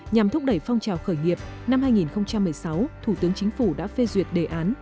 nhằm thúc đẩy phong trào khởi nghiệp năm hai nghìn một mươi sáu thủ tướng chính phủ đã phê duyệt đề án